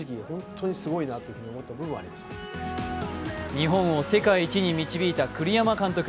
日本を世界一に導いた栗山監督。